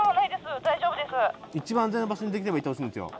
一番安全な場所にできればいてほしいんですよ。